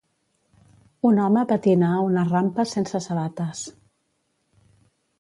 Un home patina a una rampa sense sabates.